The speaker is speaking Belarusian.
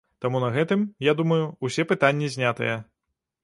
Таму на гэтым, я думаю, усе пытанні знятыя.